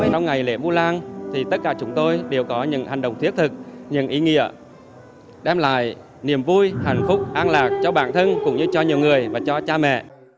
trong ngày lễ vu lan tất cả chúng tôi đều có những hành động thiết thực những ý nghĩa đem lại niềm vui hạnh phúc an lạc cho bản thân cũng như cho nhiều người và cho cha mẹ